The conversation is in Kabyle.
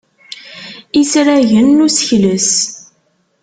Isragen n usekles.